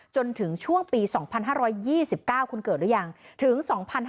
จนถึงช่วงปี๒๕๒๙คุณเกิดหรือยังถึง๒๕๕๙